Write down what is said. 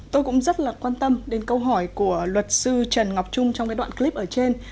tôi cũng rất là quan tâm đến câu hỏi của luật sư trần ngọc trung trong cái đoạn clip ở trên